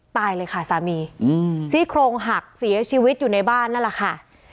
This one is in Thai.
ตายเลยค่ะสามีซี่โครงหักเสียชีวิตอยู่ในบ้านนั่นแหละค่ะ